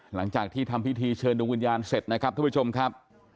หลังจากที่ทำพิธีเชิญดวงวิญญาณเสร็จนะครับทุกผู้ชมครับ